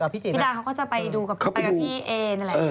พี่ดาเขาก็จะไปดูกับพี่เอ